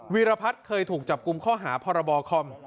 ีรพัฒน์เคยถูกจับกลุ่มข้อหาพรบคอม